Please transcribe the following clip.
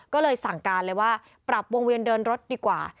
ก็เลยสั่งการเลยว่าปรับวงเวียนเดินรถดีกว่า